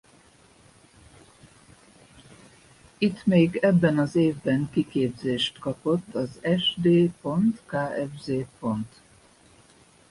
Itt még ebben az évben kiképzést kapott az Sd.Kfz.